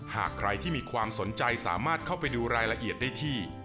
หากใครที่มีความสนใจสามารถเข้าไปดูรายละเอียดได้ที่